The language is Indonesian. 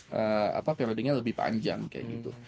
karena apa periodenya lebih panjang kayak gitu